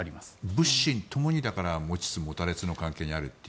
物心ともに持ちつ持たれつの関係にあると。